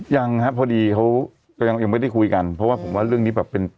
ยังครับพอดีเขาก็ยังไม่ได้คุยกันเพราะว่าผมว่าเรื่องนี้แบบเป็น